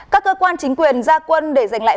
các cơ quan chính quyền ra quân để giành lại